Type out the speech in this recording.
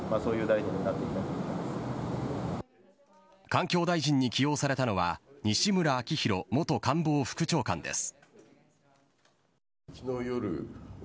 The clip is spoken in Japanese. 環境大臣に起用されたのは西村明宏元官房副長官です。